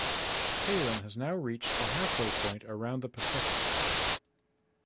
Palin has now reached the halfway point around the Pacific.